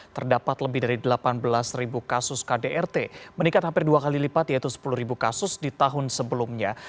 terdapat lebih dari delapan belas kasus kdrt meningkat hampir dua kali lipat yaitu sepuluh kasus di tahun sebelumnya